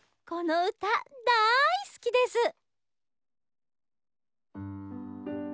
この歌大すきです。